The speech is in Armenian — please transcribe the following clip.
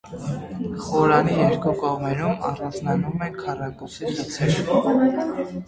Խորանի երկու կողմերում առանձնանում են քառակուսի խցեր։